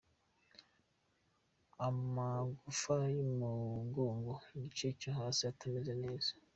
Amagufa y’umugongo igice cyo hasi atameze neza.